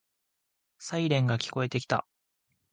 サイレンが聞こえてきた。